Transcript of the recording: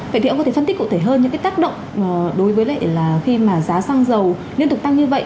vậy thì ông có thể phân tích cụ thể hơn những cái tác động đối với lại là khi mà giá xăng dầu liên tục tăng như vậy